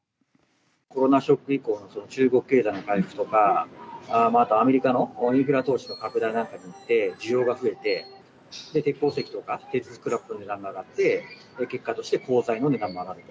コロナショック以降の中国経済の回復とか、あと、アメリカのインフラ投資の拡大などによって、需要が増えて、鉄鉱石とか鉄スクラップの値段が上がって、結果として鋼材の値段も上がると。